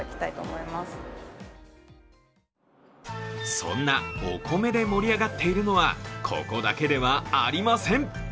そんなお米で盛り上がっているのは、ここだけではありません。